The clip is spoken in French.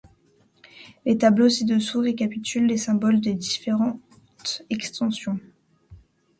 Les tableaux ci-dessous récapitulent les symboles des différentes extensions.